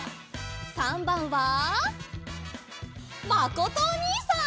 ③ばんはまことおにいさん！